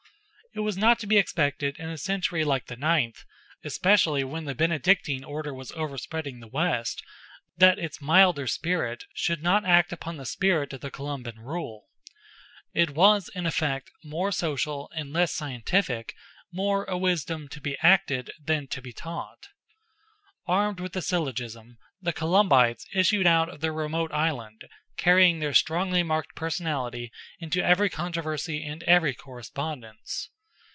It was not to be expected in a century like the ninth, especially when the Benedictine Order was overspreading the West, that its milder spirit should not act upon the spirit of the Columban rule. It was, in effect, more social, and less scientific, more a wisdom to be acted than to be taught. Armed with the syllogism, the Columbites issued out of their remote island, carrying their strongly marked personality into every controversy and every correspondence.